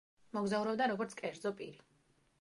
მოგზაურობდა როგორც კერძო პირი.